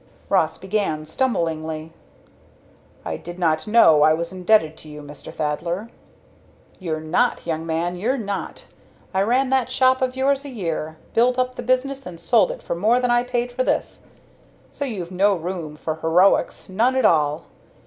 Ross began, stumblingly. "I did not know I was indebted to you, Mr. Thaddler." "You're not, young man, you're not! I ran that shop of yours a year built up the business and sold it for more than I paid for this. So you've no room for heroics none at all.